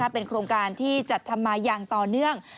เป็นโครงการที่จัดทำมาอย่างต่อเนื่อง